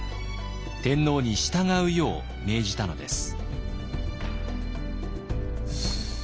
天皇に従うよう命じたのです。